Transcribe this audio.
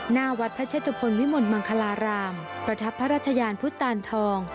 หน้าวัดพระเชตุพลวิมลมังคลารามประทับพระราชยานพุทธตานทอง